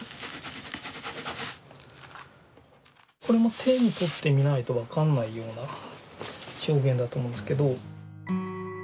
これも手に取ってみないと分かんないような表現だと思うんですけど。